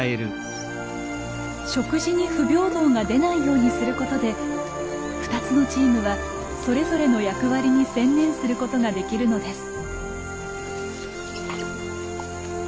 食事に不平等が出ないようにすることで２つのチームはそれぞれの役割に専念することができるのです。